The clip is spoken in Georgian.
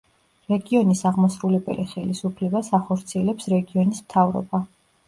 რეგიონის აღმასრულებელი ხელისუფლებას ახორციელებს რეგიონის მთავრობა.